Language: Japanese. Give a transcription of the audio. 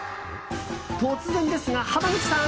突然ですが、濱口さん